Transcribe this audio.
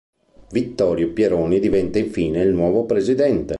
Vittorio Pieroni diventa infine il nuovo presidente.